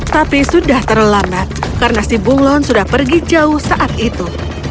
tapi sudah terlambat karena si bunglon sudah pergi jauh saat itu